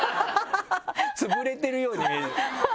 つぶれてるように見える。